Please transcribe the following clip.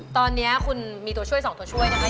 ตอนนี้คุณมีตัวช่วย๒ตัวช่วยนะคะ